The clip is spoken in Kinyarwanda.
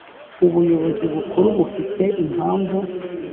ubuyobozi bukuru bufite impamvu